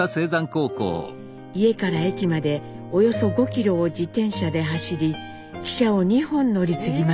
家から駅までおよそ５キロを自転車で走り汽車を２本乗り継ぎました。